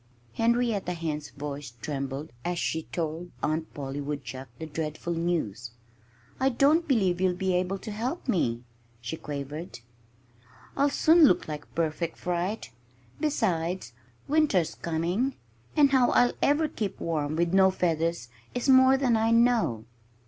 Henrietta Hen's voice trembled as she told Aunt Polly Woodchuck the dreadful news. "I don't believe you'll be able to help me," she quavered. "I'll soon look like a perfect fright. Besides, winter's coming; and how I'll ever keep warm with no feathers is more than I know."